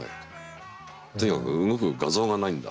とにかく動く画像がないんだから。